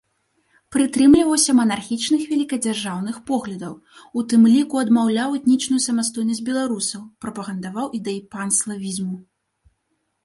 Прытрымліваўся манархічных вялікадзяржаўных поглядаў, у тым ліку адмаўляў этнічную самастойнасць беларусаў, прапагандаваў ідэі панславізму.